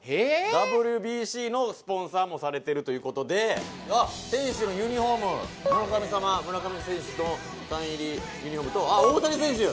ＷＢＣのスポンサーもされてるということで村上様村上選手のサイン入りユニフォームとあっ大谷選手！